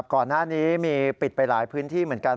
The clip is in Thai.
ก่อนหน้านี้มีปิดไปหลายพื้นที่เหมือนกัน